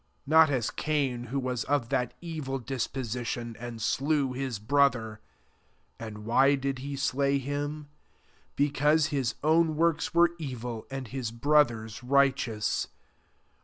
12 Not as Cain, who wts of that evil dhfioution, and slew his brother. And why did he slay him ? Becav^se his own works were evil, and his hto ther's righteous.